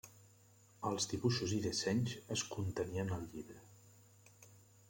Els dibuixos i dissenys es contenien al llibre.